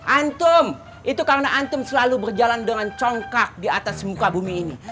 antum itu karena antum selalu berjalan dengan congkak di atas muka bumi ini